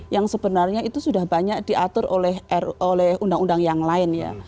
yang sebenarnya itu sudah banyak diatur oleh undang undang yang lain ya